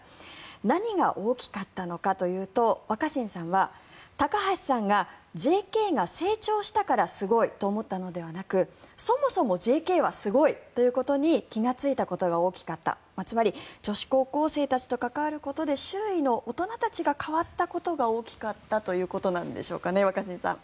何が大きかったのかというと若新さんは高橋さんがＪＫが成長したからすごいと思ったのではなくそもそもＪＫはすごいということに気がついたことが大きかったつまり女子高校生たちと関わることで周囲の大人たちが変わったことが大きかったということなんでしょうかね若新さん。